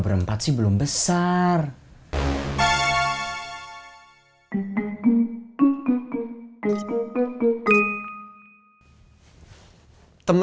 temen kakak lima bersaudara